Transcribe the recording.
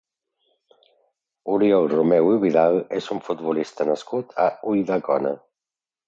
Oriol Romeu i Vidal és un futbolista nascut a Ulldecona.